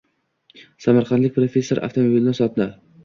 Samarqandlik professor avtomobilini sotdi.